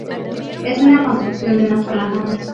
Es una construcción de una sola nave.